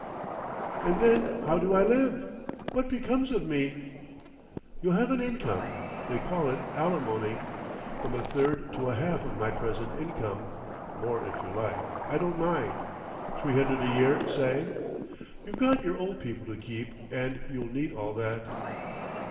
"And then—how do I live? What becomes of me?" "You'll have an income. They call it alimony. From a third to a half of my present income—more if you like—I don't mind—three hundred a year, say. You've got your old people to keep and you'll need all that."